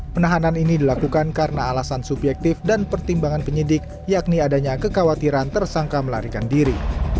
penahanan ini dilakukan karena alasan subjektif dan pertimbangan penyidik yakni adanya kekhawatiran tersangka melarikan diri